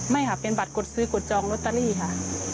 ไม่ค่ะเป็นบัตรกดซื้อกดจองลอตเตอรี่ค่ะ